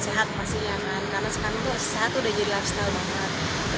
sehat pasti ya kan karena sekarang tuh sehat udah jadi lifestyle banget kedua sebenarnya aku pengen